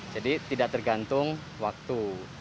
jadi tidak tergantung waktu